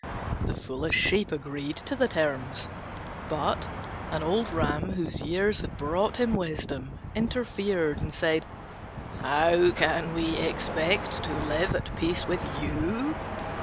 The foolish Sheep agreed to the terms; but an old Ram, whose years had brought him wisdom, interfered and said, "How can we expect to live at peace with you?